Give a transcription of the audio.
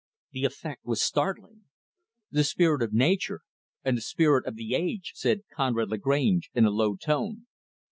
The effect was startling. "'The Spirit of Nature' and 'The Spirit of the Age'," said Conrad Lagrange, in a low tone.